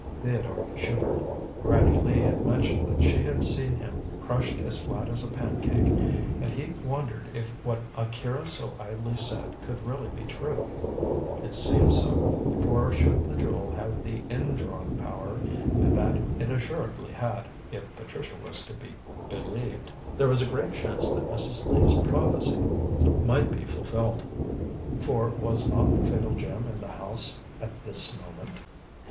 Theodore shivered. Granny Lee had mentioned that she had seen him crushed as flat as a pancake, and he wondered if what Akira so idly said could really be true. It seemed so, for should the jewel have the in drawing power and that it assuredly had, if Patricia was to be believed there was a great chance that Mrs. Lee's prophecy might be fulfilled. For was not the fatal gem in the house at this moment?